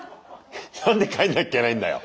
何で帰んなきゃいけないんだよ。